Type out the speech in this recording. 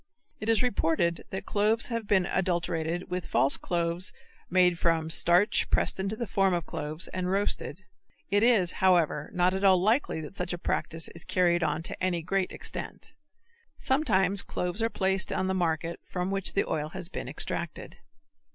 It is reported that cloves have been adulterated with false cloves made from starch pressed into the form of cloves and roasted. It is, however, not at all likely that such a practice is carried on to any great extent. Sometimes cloves are placed on the market from which the oil has been extracted.